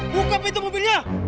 buka pintu mobilnya